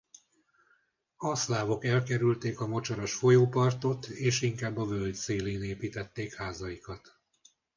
A szlávok elkerülték a mocsaras folyópartot és inkább a völgy szélén építették házaikat.